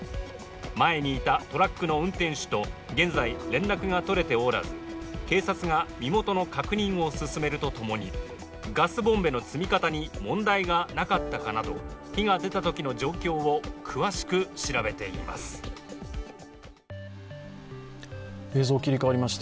前にいたトラックの運転手と現在連絡が取れておらず警察が身元の確認を進めるとともに、ガスボンベの積み方に問題がなかったかなど火が出たときの状況を詳しく調べています。